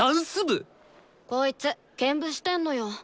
こいつ兼部してんのよ。